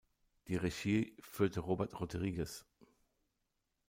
Die Regie führte Robert Rodriguez.